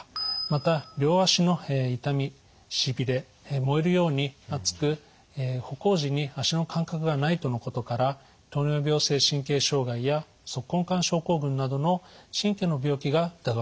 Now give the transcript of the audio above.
また両足の痛みしびれ燃えるように熱く歩行時に足の感覚がないとのことから糖尿病性神経障害や足根管症候群などの神経の病気が疑われます。